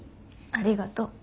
ありがとう。